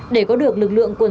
để có được lực lượng quần chúng